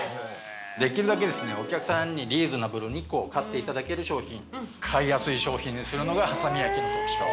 できるだけお客さんにリーズナブルに買っていただける商品買いやすい商品にするのが波佐見焼の特徴。